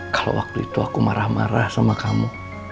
kalau waktu itu aku marah marah sama kamu